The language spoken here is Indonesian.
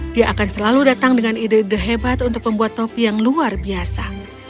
dia akan selalu datang dengan ide ide hebat untuk membuat topi yang luar biasa